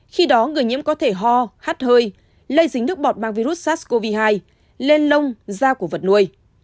khi đó người nhiễm có thể ho hát hơi lây dính nước bọt mang virus sars cov hai lên lông da của vật nuôi